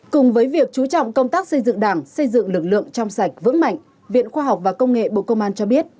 cùng với việc chú trọng công tác xây dựng đảng xây dựng lực lượng trong sạch vững mạnh viện khoa học và công nghệ bộ công an cho biết